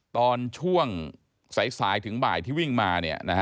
ตอนช่วงสายถึงบ่ายที่วิ่งมา